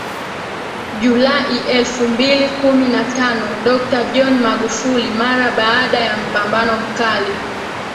Julai elfu mbili kumi na tano Dokta John Magufuli mara baada ya mpambano mkali